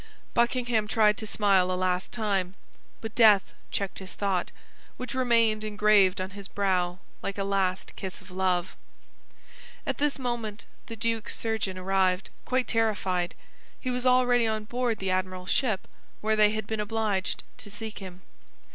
Buckingham tried to smile a last time; but death checked his thought, which remained engraved on his brow like a last kiss of love. At this moment the duke's surgeon arrived, quite terrified; he was already on board the admiral's ship, where they had been obliged to seek him.